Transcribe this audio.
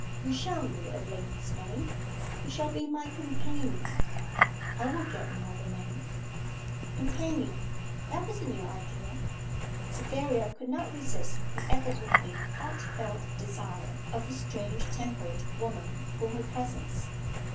You shan't be a lady's maid. You shall be my companion. I will get another maid.' Companion that was a new idea. Cytherea could not resist the evidently heartfelt desire of the strange tempered woman for her presence.